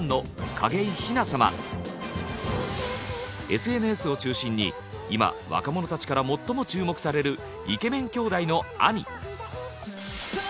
ＳＮＳを中心に今若者たちから最も注目されるイケメン兄弟の兄。